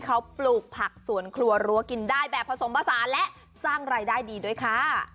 เขาปลูกผักสวนครัวรั้วกินได้แบบผสมผสานและสร้างรายได้ดีด้วยค่ะ